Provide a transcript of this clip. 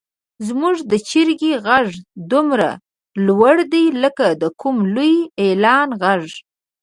زموږ د چرګې غږ دومره لوړ دی لکه د کوم لوی اعلان غږ.